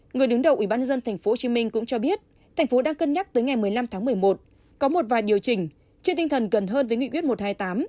người đứng đầu ủy ban nhân dân tp hcm cũng cho biết thành phố đang cân nhắc tới ngày một mươi năm tháng một mươi một có một vài điều chỉnh trên tinh thần gần hơn với nghị quyết một trăm hai mươi tám